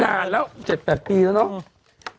นานแล้ว๗๘ปีแล้วเนอะ